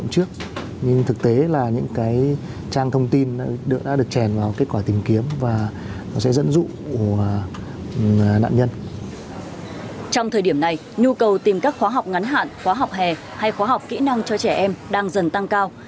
trong thời điểm này nhu cầu tìm các khóa học ngắn hạn khóa học hè hay khóa học kỹ năng cho trẻ em đang dần tăng cao